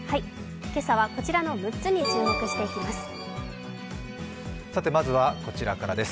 今朝はこちらの６つに注目していきます。